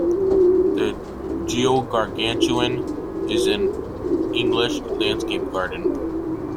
The "Georgengarten" is an English landscape garden.